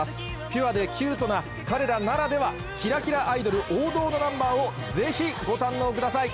ピュアでキュートな彼らならではキラキラアイドル王道のナンバーをぜひご堪能ください